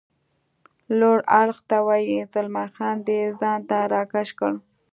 لوړ اړخ ته وي، زلمی خان دی ځان ته را کش کړ.